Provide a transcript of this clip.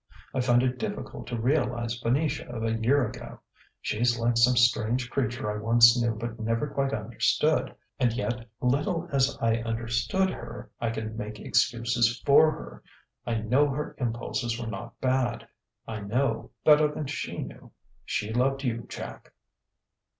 I find it difficult to realize Venetia of a year ago: she's like some strange creature I once knew but never quite understood. And yet, little as I understood her, I can make excuses for her: I know her impulses were not bad. I know, better than she knew ... she loved you, Jack."